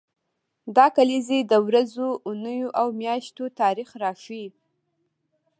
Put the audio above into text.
دا کلیزې د ورځو، اونیو او میاشتو تاریخ راښيي.